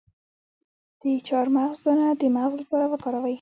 د چارمغز دانه د مغز لپاره وکاروئ